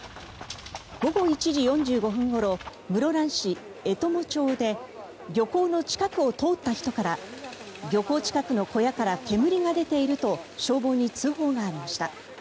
午後１時４５分ごろ室蘭市絵鞆町で漁港の近くを通った人から漁港近くの小屋から煙が出ていると消防に通報がありました。